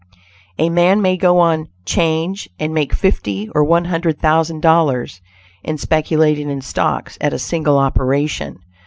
A man may go on "'change" and make fifty, or one hundred thousand dollars in speculating in stocks, at a single operation.